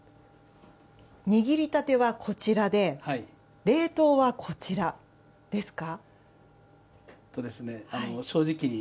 握りたてはこちらで冷凍はこちらですか。